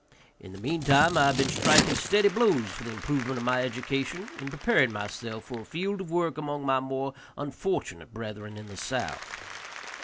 In the meantime I have been striking steady blows for the improvement of my education, in preparing myself for a field of work among my more unfortunate brethren in the South.